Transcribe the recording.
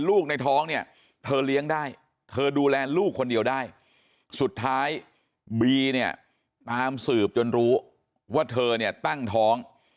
ลูกในท้องเนี่ยเธอเลี้ยงได้เธอดูแลลูกคนเดียวได้สุดท้ายบีเนี่ยตามสืบจนรู้ว่าเธอเนี่ยตั้งท้อง